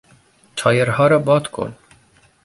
تایرها را باد کن.